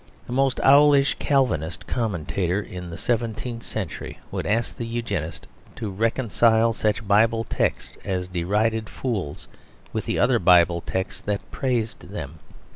The most owlish Calvinist commentator in the seventeenth century would ask the Eugenist to reconcile such Bible texts as derided fools with the other Bible texts that praised them.